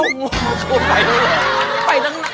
หัวศะมานี่แหละ